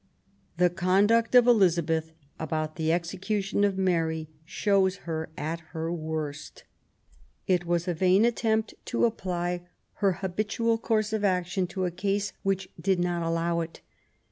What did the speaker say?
The conduct of Elizabeth about the execution of Mary shows her at her worst. It was a vain attempt to apply her habitual course of action to a case which did not allow it.